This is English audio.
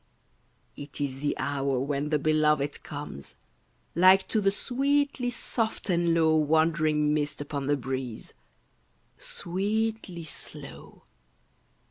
It is the hour when the belovèd comes, Like to the sweetly soft and low Wandering mist upon the breeze, Sweetly slow.